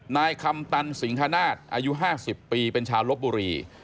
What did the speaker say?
นายคำตันสิงฮนาศอายุ๕๐ปีเป็นชาวลบบุรี